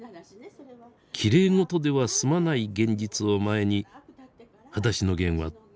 きれいごとでは済まない現実を前に「はだしのゲン」はどう伝えるべきか。